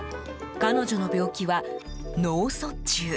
彼女の病気は脳卒中。